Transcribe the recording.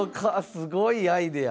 すごいアイデア。